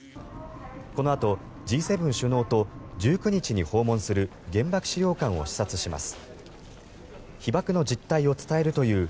このあとＧ７首脳と１９日に訪問する原爆資料館を視察します。